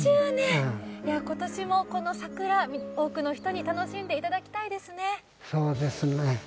今年もこの桜多くの人に楽しんでいただきたいですね。